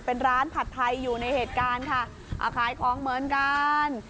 เป็นร้านผัดไทยอยู่ในเหตุการณ์ค่ะอ่าขายของเหมือนกัน